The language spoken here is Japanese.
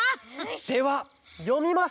ではよみます！